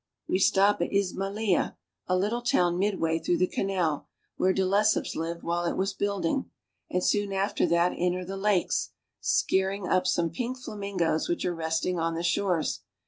We stop at Ismailia. a little town midway through the canal, where De Lesseps lived while it was building; and soon after that enter the lakes, scaring up some pink flamingoes which are resting on the shores.